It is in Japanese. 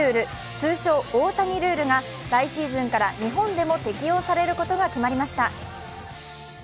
通称・大谷ルールが来シーズンから日本でも適用されることが決まりました。